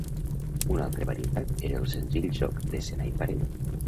Una altre varietat era el senzill joc de senar i parell.